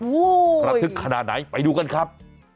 วู้ยยยยยยยยยยยยยยระทึกขนาดไหนไปดูกันครับ